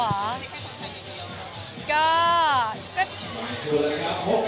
คุณจะให้คนจีนอยู่ดีกว่าค่ะ